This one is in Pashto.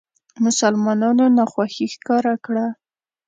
مسلمانانو ناخوښي ښکاره کړه.